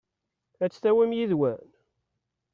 Ad t-tawim yid-wen?